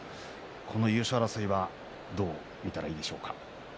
この優勝争いはどう見たらいいでしょうか。